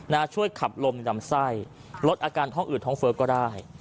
ช่วยขับลมในลำไส้ลดอาการท้องอืดท้องเฟ้อก็ได้